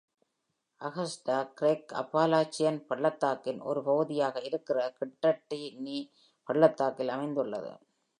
Agusta, Great Appalachian பள்ளத்தாக்கின் ஒரு பகுதியாக இருக்கின்ற கிட்டட்டின்னி பள்ளத்தாக்கில் அமைந்துள்ளது.